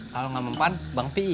kalau enggak mempaham bang pi